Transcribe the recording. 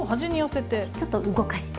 ちょっと動かして。